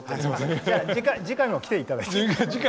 次回も来ていただいて。